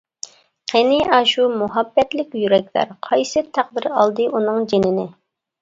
قېنى ئاشۇ مۇھەببەتلىك يۈرەكلەر، قايسى تەقدىر ئالدى ئۇنىڭ جېنىنى.